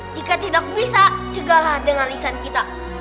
jika tidak bisa cegahlah dengan lisan kita